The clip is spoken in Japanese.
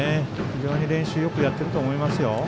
非常に練習をよくやっていると思います。